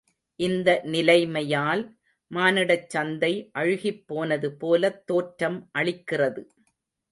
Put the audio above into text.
இந்த நிலைமையால் மானிடச் சந்தை அழுகிப்போனது போலத் தோற்றம் அளிக்கிறது.